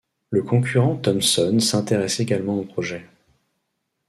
Le concurrent Thomson s'intéresse également au projet.